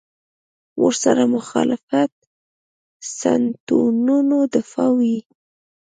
ورسره مخالفت سنتونو دفاع وي.